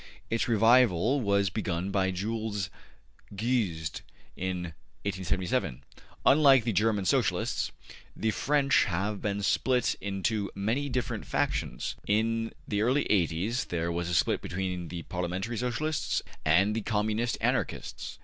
Its revival was begun by Jules Guesde in 1877. Unlike the Ger man Socialists, the French have been split into many different factions. In the early eighties there was a split between the Parliamentary Socialists and the Communist Anarchists.